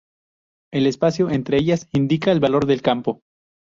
El espacio entre ellas indica el valor del campo.